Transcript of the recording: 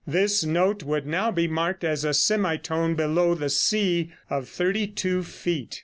This note would now be marked as a semitone below the C of thirty two feet.